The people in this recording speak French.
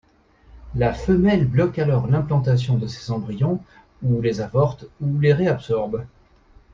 La femelle bloque alors l'implantation de ses embryons, ou les avorte, ou les réabsorbe.